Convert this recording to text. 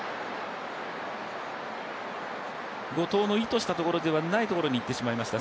後藤の意図したところではないところに行ってしまいました。